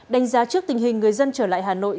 đánh giá trước tình hình người dân trở lại hà nội